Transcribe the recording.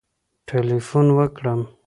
ټلېفون وکړم